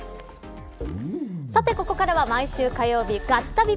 ここからは毎週火曜日ガッタビ！！